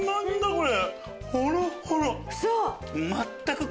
これ！